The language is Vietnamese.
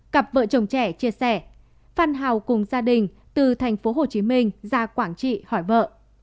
cặp vợ chồng trẻ chia sẻ phan hào cùng gia đình từ thành phố hồ chí minh ra quảng trị hỏi vợ